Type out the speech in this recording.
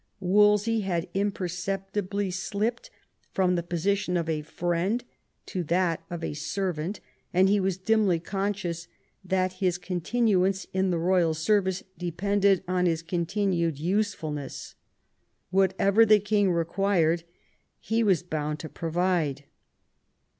Wolsey had imperceptibly slipped from the position of a friend to that of a servant, and he was dimly conscious that his continuance in the royal service depended on his continued usefulness. Whatever the king required he was bound to provide.